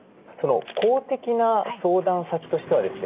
公的な相談先としてはですね